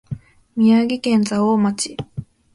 宮城県蔵王町